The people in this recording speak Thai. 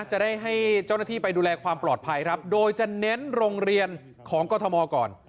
จะได้ให้เจ้าหน้าที่ไปดูแลความปลอดภัยครับโดยจะเน้นโรงเรียนของกรทมก่อน